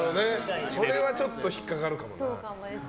それはちょっと引っかかるかもな。